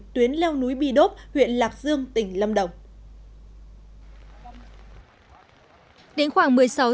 tuyến leo núi bi đốp huyện lạc dương tỉnh lâm đồng